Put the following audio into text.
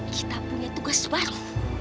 kita punya tugas baru